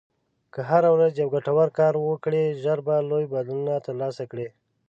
که هره ورځ یو ګټور کار وکړې، ژر به لوی بدلونونه ترلاسه کړې.